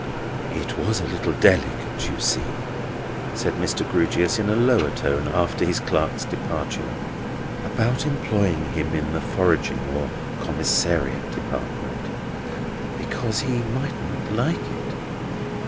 "I was a little delicate, you see," said Mr. Grewgious, in a lower tone, after his clerk's departure, "about employing him in the foraging or commissariat department. Because he mightn't like it."